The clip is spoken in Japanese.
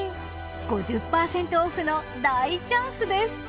５０％オフの大チャンスです！